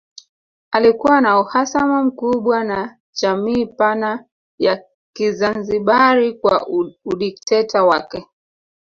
Alikuwa na uhasama mkubwa na jamii pana ya Kizanzibari kwa udikteta wake